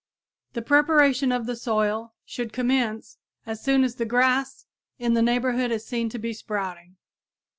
The preparation of the soil should commence as soon as the grass in the neighborhood is seen to be sprouting.